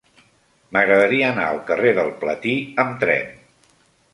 M'agradaria anar al carrer del Platí amb tren.